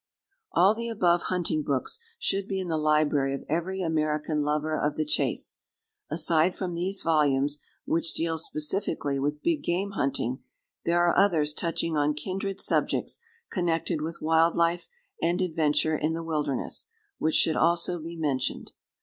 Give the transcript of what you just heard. All the above hunting books should be in the library of every American lover of the chase. Aside from these volumes, which deal specifically with big game hunting, there are others touching on kindred subjects connected with wild life and adventure in the wilderness which should also be mentioned.